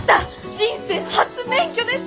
人生初免許です！